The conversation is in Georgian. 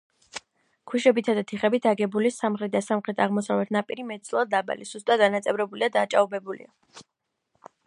ქვიშებითა და თიხებით აგებული სამხრეთი და სამხრეთ-აღმოსავლეთ ნაპირი მეტწილად დაბალი, სუსტად დანაწევრებული და დაჭაობებულია.